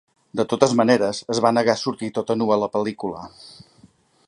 De totes maneres, es va negar a sortir tota nua a la pel·lícula.